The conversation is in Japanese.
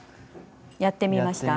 やってみました？